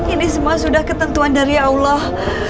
ini semua sudah ketentuan dari allah